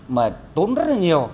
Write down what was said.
mà tốn rất là nhiều